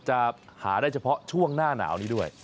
จะหาได้เฉพาะช่วงหน้าหนาวนี้ด้วย